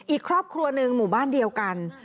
อีกครอบครัวหนึ่งหมู่บ้านเดียวกัน